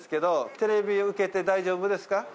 テレビ受けて大丈夫ですか？